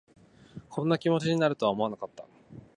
こんな気持ちになるとは思わなかった